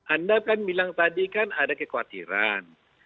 anda kan bilang tadi kan ada kekhawatiran